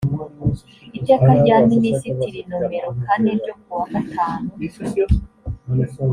iteka rya minisitri nomero kane ryo ku wa gatanu